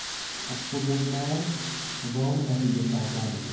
از برونمرز وام تهیه کردن